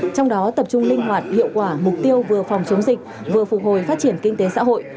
trong đó tập trung linh hoạt hiệu quả mục tiêu vừa phòng chống dịch vừa phục hồi phát triển kinh tế xã hội